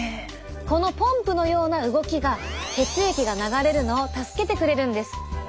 このポンプのような動きが血液が流れるのを助けてくれるんです。